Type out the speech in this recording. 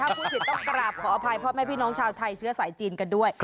พูดผิดต้องกราบขออภัยพ่อแม่พี่น้องชาวไทยเชื้อสายจีนกันด้วย